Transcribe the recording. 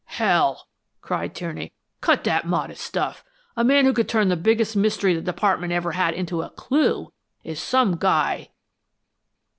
"Hell!" cried Tierney. "Cut that modest stuff. A man who could turn the biggest mystery the Department ever had into a CLUE, is some guy!"